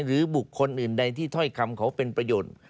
หรือบุคคลอื่นใดที่ถ้อยคำเขาเป็นประโยชน์